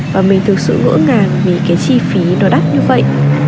và mình thực sự ngỡ ngàng vì cái chi phí nó đắt như vậy